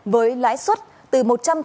với lãi suất từ